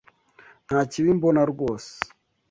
Nta kibi mbona rwose.